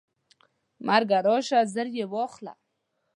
مرګیه راشه زر یې واخله.